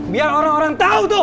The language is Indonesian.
biar orang orang tahu tuh